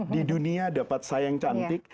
di dunia dapat saya yang cantik